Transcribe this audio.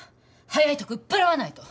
早いとこ売っ払わないと！